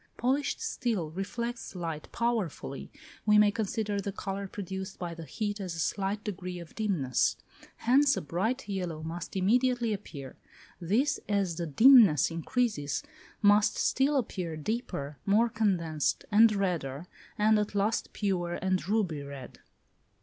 Polished steel reflects light powerfully: we may consider the colour produced by the heat as a slight degree of dimness: hence a bright yellow must immediately appear; this, as the dimness increases, must still appear deeper, more condensed, and redder, and at last pure and ruby red.